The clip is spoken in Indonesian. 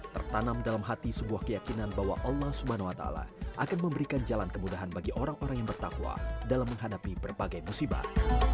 tertanam dalam hati sebuah keyakinan bahwa allah swt akan memberikan jalan kemudahan bagi orang orang yang bertakwa dalam menghadapi berbagai musibah